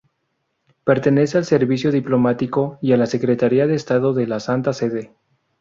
Pertenece al Servicio Diplomático y a la Secretaría de Estado de la Santa Sede.